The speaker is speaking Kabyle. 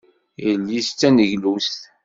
Yelli-s d taneglust.